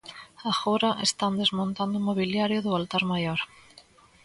Agora están desmontando o mobiliario do altar maior.